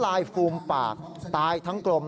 สายลูกไว้อย่าใส่